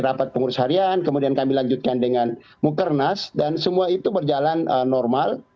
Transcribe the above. rapat pengurus harian kemudian kami lanjutkan dengan mukernas dan semua itu berjalan normal